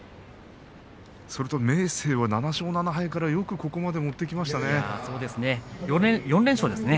明生は７勝７敗からよくここまで持ってきましたね。